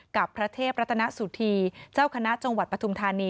กับพระเทพรัตนสุธีเจ้าคณะจังหวัดปฐุมธานี